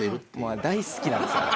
大好きなんですよあれ。